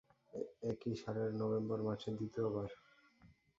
একই সালের নভেম্বর মাসে দ্বিতীয়বার।